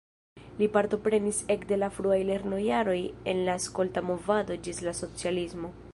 Li partoprenis ekde la fruaj lernojaroj en la skolta movado ĝis la socialismo.